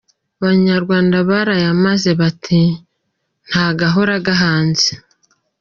Abanyarwanda barayamaze bati : «Nta gahora gahanze ».